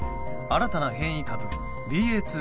新たな変異株ＢＡ．２．７５